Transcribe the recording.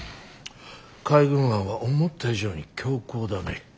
海軍案は思った以上に強硬だね。